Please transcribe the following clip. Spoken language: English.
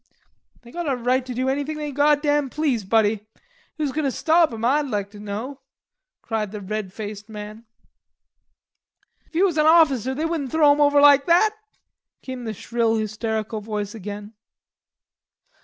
"They got a right to do anythin' they goddam please, buddy. Who's goin' to stop 'em I'd like to know," cried the red faced man. "If he was an awficer, they wouldn't throw him over like that," came the shrill hysterical voice again.